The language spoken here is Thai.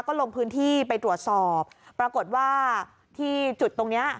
ก็ลงพื้นที่ไปตรวจสอบปรากฏว่าที่จุดตรงเนี้ย